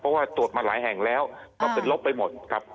เพราะว่าตรวจมาหลายแห่งแล้วก็เป็นลบไปหมดครับ